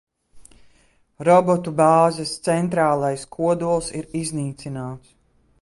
Robotu bāzes centrālais kodols ir iznīcināts.